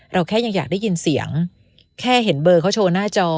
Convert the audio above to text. แค่ยังอยากได้ยินเสียงแค่เห็นเบอร์เขาโชว์หน้าจอ